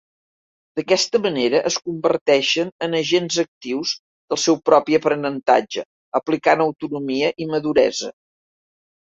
D'aquesta manera es converteixen en agents actius del seu propi aprenentatge, aplicant autonomia i maduresa.